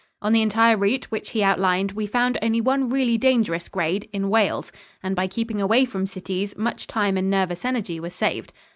On the entire route which he outlined, we found only one really dangerous grade in Wales and, by keeping away from cities, much time and nervous energy were saved.